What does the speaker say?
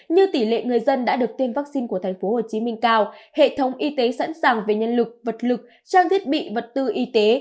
như tỷ lệ người dân đã được tiêm vaccine của thành phố hồ chí minh cao hệ thống y tế sẵn sàng về nhân lực vật lực trang thiết bị vật tư y tế